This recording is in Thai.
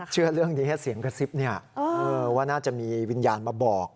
เชื่อเรื่องนี้เสียงกระซิบว่าน่าจะมีวิญญาณมาบอก